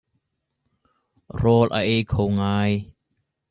Rawl a ei kho ngai.